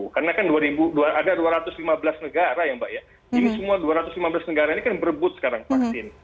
karena kan ada dua ratus lima belas negara ya mbak ya ini semua dua ratus lima belas negara ini kan berebut sekarang vaksin